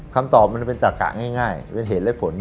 คำตอบมันเป็นตะกะง่ายเป็นเหตุและผล